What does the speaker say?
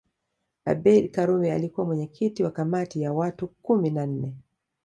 Abeid Karume alikuwa mwenyekiti wa kamati ya watu kumi na nne